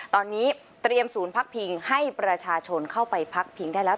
ตอนนี้เตรียมศูนย์พักพิงให้ประชาชนเข้าไปพักพิงได้แล้ว